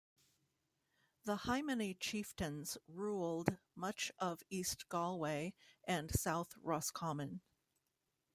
The Hymany chieftains ruled much of East Galway and South Roscommon.